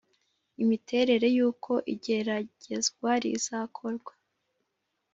Imiterere y uko igeragezwa rizakorwa